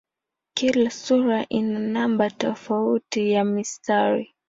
Kila sura ina namba tofauti ya mistari.